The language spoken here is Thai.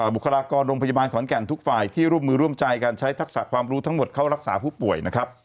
บุคลากรโรงพยาบาลขอนแก่นทุกฝ่ายที่ร่วมมือร่วมใจการใช้ทักษะความรู้ทั้งหมดเข้ารักษาผู้ป่วยนะครับ